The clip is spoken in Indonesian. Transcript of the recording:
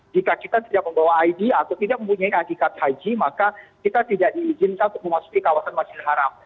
jika kita tidak membawa id atau tidak mempunyai id card haji maka kita tidak diizinkan untuk memasuki kawasan masjidil haram